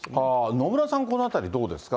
野村さん、このあたりどうですか？